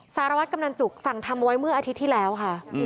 สารวัตรกำนันจุกสั่งทำเอาไว้เมื่ออาทิตย์ที่แล้วค่ะ